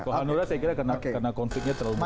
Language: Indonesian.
koanura saya kira karena konfliknya terlalu banyak